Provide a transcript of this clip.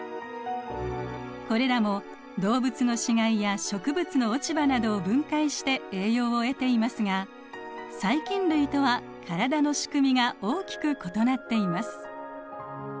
これらも動物の死骸や植物の落ち葉などを分解して栄養を得ていますが細菌類とは体の仕組みが大きく異なっています。